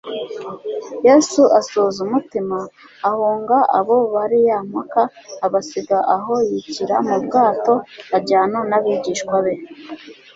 "Yesu asuhuza umutima," ahunga abo bariyampaka abasiga aho yikira mu bwato ajyana n'abigishwa be.